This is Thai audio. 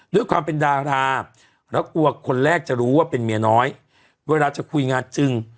ด้วยความเป็นดาราแล้วกลัวคนแรกจะรู้ว่าเป็นเมียน้อยเวลาจะคุยงานจริง